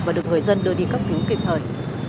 và được người dân đưa đi cấp cứu kịp thời